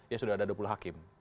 ya sudah ada dua puluh hakim